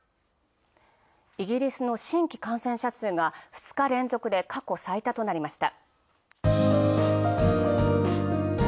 イギリスの新規感染者数が２日連続で過去最多となりました。